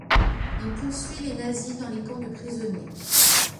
Il poursuit les nazis dans les camps de prisonniers.